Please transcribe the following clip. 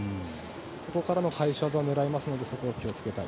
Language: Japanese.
そこからの返し技を狙いますのでそこは気をつけたい。